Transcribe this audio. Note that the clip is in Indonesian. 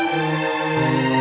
harimah harisan ibu tu